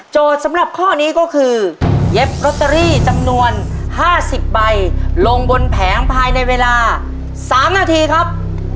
โจทย์สำหรับข้อนี้ก็คือเย็บรอเตอรี่จำนวนห้าสิบใบลงบนแผงภายในเวลาสามนาทีครับ